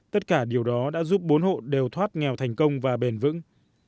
tất cả điều đó đã giúp bốn hộ đều thoát nghèo thành công và bền vững